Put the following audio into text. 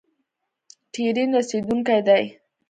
ټرین رسیدونکی دی